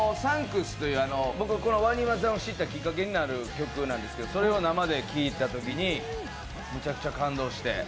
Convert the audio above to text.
「ＴＨＡＮＸ」という、ＷＡＮＩＭＡさんを知ったきっかけになる曲なんですけど、それを生で聴いたときに、むちゃくちゃ感動して。